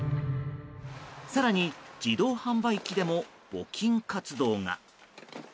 更に自動販売機でも募金活動が。